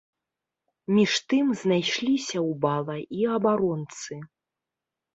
Між тым, знайшліся ў бала і абаронцы.